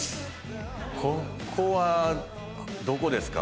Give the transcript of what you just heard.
ここはどこですか？